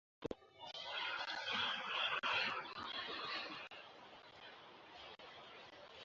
muri iki gikorwa akamufata kubice by’umubiri bitandukanye